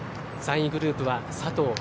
３位グループは佐藤